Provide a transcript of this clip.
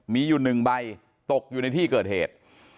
มีอยู่๑ใบตกอยู่ในที่เกิดเหตุ